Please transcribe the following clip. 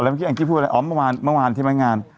แล้วเมื่อกี้อังกษี่พูดอะไรอ๋อเมื่อวานที่ใม่งาน